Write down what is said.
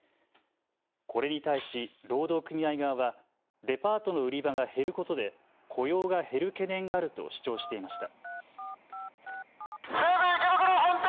これに対し労働組合側はデパートの売り場が減ることで雇用が減る懸念があると主張していました。